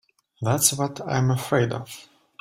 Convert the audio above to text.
That's what I'm afraid of.